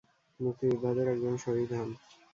মুক্তিযোদ্ধাদের একজন শহীদ হন।